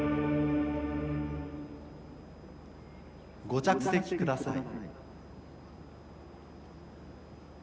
「ご着席ください」。